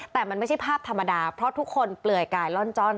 แต่มันไม่ใช่ภาพธรรมดาเพราะทุกคนเปลือยกายล่อนจ้อน